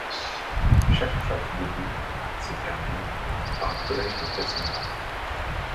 Chaque face débute et se termine par un collage d'effets sonores.